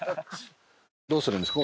どうするんですか？